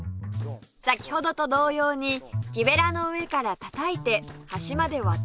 先ほどと同様に木べらの上から叩いて端まで割っていくと